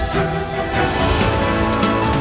jadi kita bahas kerajinan rukun ini